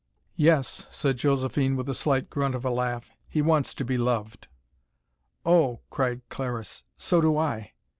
"Yes," said Josephine, with a slight grunt of a laugh. "He wants to be loved." "Oh," cried Clariss. "So do I!"